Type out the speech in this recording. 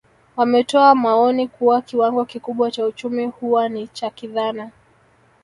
Wametoa maoni kuwa kiwango kikubwa cha uchumi huwa ni cha kidhana